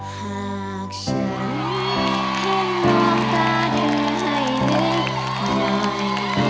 หากฉันให้มองตาดื้อให้ลืมอร่อย